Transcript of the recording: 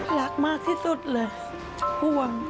รักมากที่สุดเลยห่วง